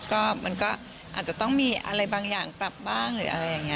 ก็มันก็อาจจะต้องมีอะไรบางอย่างปรับบ้าง